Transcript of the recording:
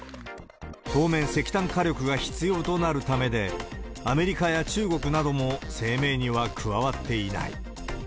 当面、石炭火力が必要となるためで、アメリカや中国なども声明には加わっていない。